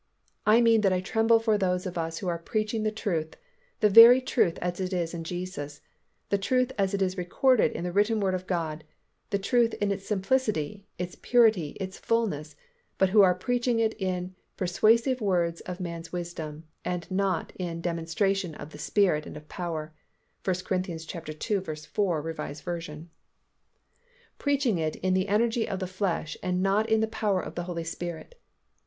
I mean that I tremble for those of us who are preaching the truth, the very truth as it is in Jesus, the truth as it is recorded in the written Word of God, the truth in its simplicity, its purity and its fullness, but who are preaching it in "persuasive words of man's wisdom" and not "in demonstration of the Spirit and of power" (1 Cor. ii. 4, R. V.). Preaching it in the energy of the flesh and not in the power of the Holy Spirit.